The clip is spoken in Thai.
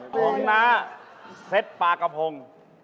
ครองน้าเซตประกระโพง